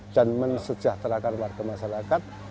dan mensejahterakan warga masyarakat